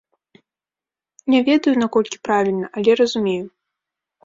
Не ведаю, наколькі правільна, але разумею.